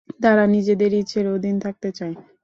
তারা নিজেদের ইচ্ছের অধীন থাকতে চায়!